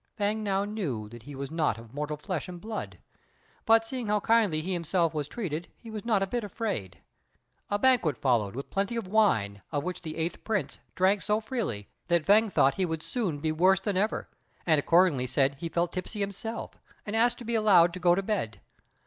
Fêng now knew that he was not of mortal flesh and blood; but, seeing how kindly he himself was treated, he was not a bit afraid. A banquet followed, with plenty of wine, of which the Eighth Prince drank so freely that Fêng thought he would soon be worse than ever, and accordingly said he felt tipsy himself, and asked to be allowed to go to bed.